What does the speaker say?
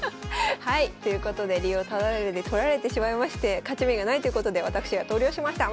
はいということで竜をタダで取られてしまいまして勝ち目がないということで私が投了しました。